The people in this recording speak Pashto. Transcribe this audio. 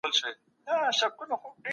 دغه ډله د زړورتیا او پهلوانۍ په هنر پوهېده.